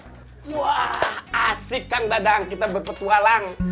wah asik kan dadang kita berpetualang